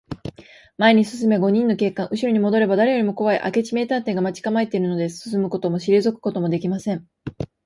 前に進めば五人の警官、うしろにもどれば、だれよりもこわい明智名探偵が待ちかまえているのです。進むこともしりぞくこともできません。